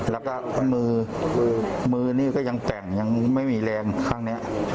แล้วก็มือมือนี่ก็ยังแต่งยังไม่มีแรงข้างนี้